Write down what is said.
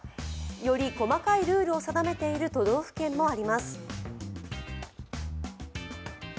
より細かいルールを定めている都道府県もあります。